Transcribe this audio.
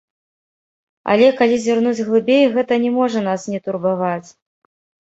Але, калі зірнуць глыбей, гэта не можа нас не турбаваць.